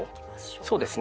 そうですね。